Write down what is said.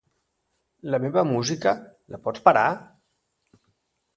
La meva música, la pots parar?